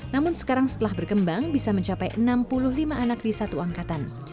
namun sekarang setelah berkembang bisa mencapai enam puluh lima anak di satu angkatan